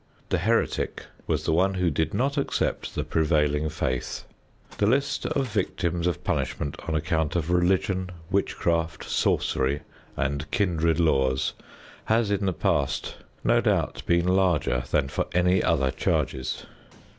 The heretic was the one who did not accept the prevailing faith. The list of victims of punishment on account of religion, witchcraft, sorcery and kindred laws has in the past no doubt been larger than for any other charges.